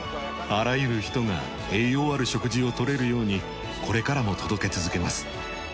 あらゆる人が栄養ある食事を取れるようにこれからも届け続けます。